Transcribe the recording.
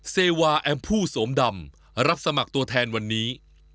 เซวาแอมพู่โสมดำรับสมัครตัวแทนวันนี้